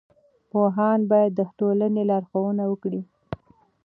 پوهان باید د ټولنې لارښوونه وکړي.